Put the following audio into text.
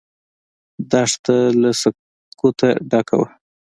دښته له سکوته ډکه ده.